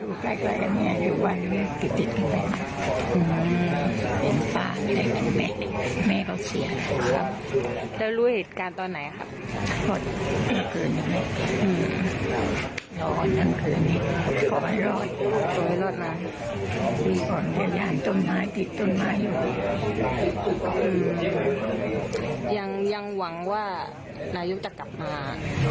ยังหวังว่านายกจะกลับมา